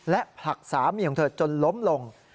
และผลักสามีของเธอจนล้มลง